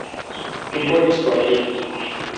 Un po' di storia.